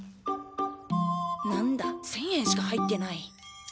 何だ１，０００円しか入ってない。